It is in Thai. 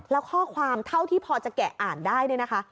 แล้วข้อความเท่าที่พอจะแกะอ่านได้